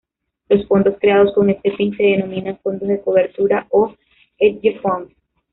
Los fondos creados con este fin se denominan fondos de cobertura o hedge funds.